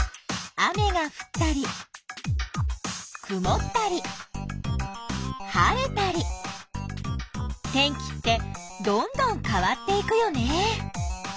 雨がふったりくもったり晴れたり天気ってどんどん変わっていくよね。